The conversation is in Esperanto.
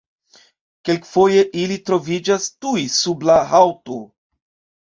Kelkfoje ili troviĝas tuj sub la haŭto.